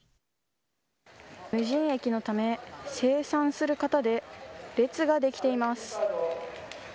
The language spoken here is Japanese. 無人駅のため精算する方で列ができています。